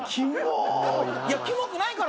いやキモくないから。